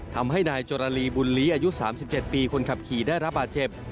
ทำให้นายจรลีบุญลีอายุ๓๗ปีคนขับขี่ได้รับบาดเจ็บ